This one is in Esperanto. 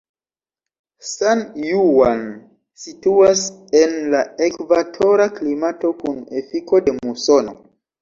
San Juan situas en la ekvatora klimato kun efiko de musono.